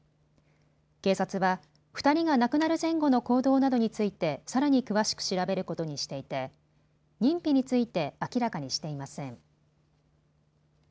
警察は、２人が亡くなる前後の行動などについてさらに詳しく調べることにしていて認否について明らかにしていません。